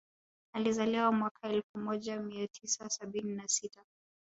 Alizaliwa mwaka elfu moja nia tisa sabini na sita